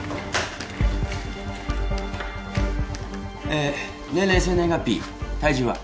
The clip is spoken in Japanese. え年齢生年月日体重は？